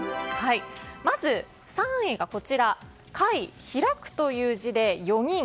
まず３位が開くという字で４人。